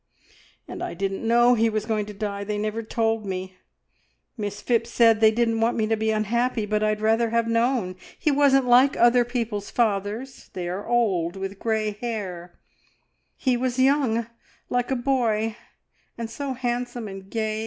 "And I didn't know he was going to die. They never told me. Miss Phipps says they didn't want me to be unhappy, but I'd rather have known. He wasn't like other people's fathers. They are old, with grey hair; he was young like a boy, and so handsome and gay.